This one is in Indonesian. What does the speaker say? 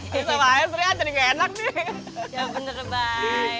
bisa lah ya istri anjir nggak enak nih